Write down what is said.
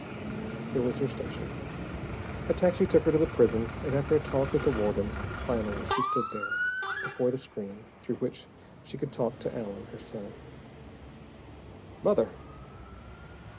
Here was her station. A taxi took her to the prison, and after a talk with the warden, finally she stood there, before the screen through which she could talk to Allen, her son. "Mother!"